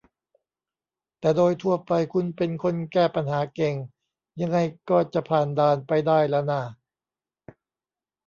แต่โดยทั่วไปคุณเป็นคนแก้ปัญหาเก่งยังไงก็จะผ่านด่านไปได้ล่ะน่า